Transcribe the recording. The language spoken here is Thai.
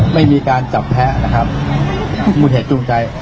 ไม่มีการจับแพ้นะครับมูลเหตุจูงใจ